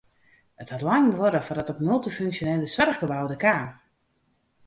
It hat lang duorre foardat it multyfunksjonele soarchgebou der kaam.